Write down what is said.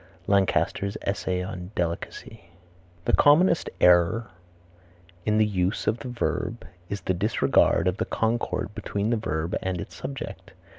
Lancaster's Essay on Delicacy. The commonest error in the use of the verb is the disregard of the concord between the verb and its subject.